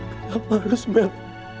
kenapa harus mel